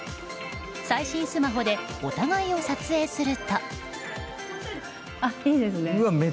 最新スマホでお互いを撮影すると。